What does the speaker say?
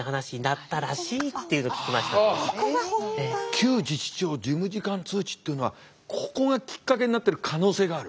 旧自治省事務次官通知っていうのはここがきっかけになってる可能性がある？